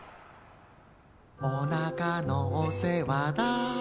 「おなかのお世話だ」